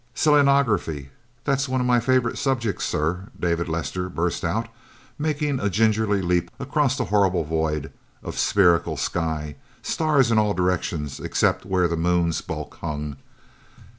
"Selenography that's one of my favorite subjects, sir!" David Lester burst out, making a gingerly leap across the horrible void of spherical sky stars in all directions except where the Moon's bulk hung.